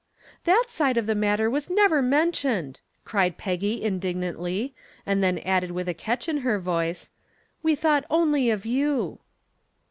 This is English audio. "That side of the matter was never mentioned," cried Peggy indignantly, and then added with a catch in her voice, "We thought only of you."